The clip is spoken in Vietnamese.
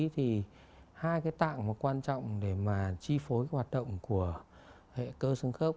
thì hai cái tạng quan trọng để mà chi phối hoạt động của hệ cơ sưng khớp